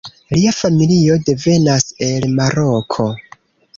Lia familio devenas el Maroko.